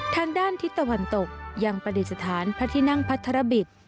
ทางด้านทิศตะวันตกยังประดิษฐานพระที่นั่งพัทรบิต